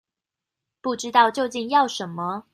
不知道究竟要什麼